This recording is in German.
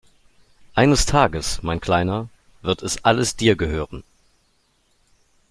Eines Tages, mein Kleiner, wird es alles dir gehören!